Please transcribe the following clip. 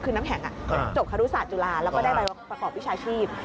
คือน้ำแข็งจบครุศาสตุลาแล้วก็ได้ใบประกอบวิชาชีพ